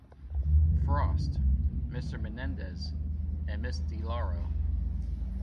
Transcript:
Frost; Mr. Menendez; and Ms. DeLauro.